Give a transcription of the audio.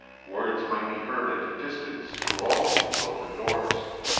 Words might be heard at a distance through all these open doors.